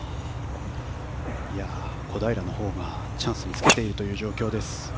小平のほうがチャンスにつけているという状況です。